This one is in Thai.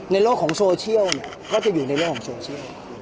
โลกของโซเชียลเนี่ยก็จะอยู่ในโลกของโซเชียล